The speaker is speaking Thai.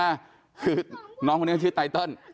แล้ว๕เรียนจากไหน๖